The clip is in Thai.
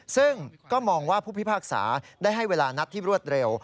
ซึ่งก็มองว่าผู้พิพากษาได้ให้เวลานัดที่รวดเร็ว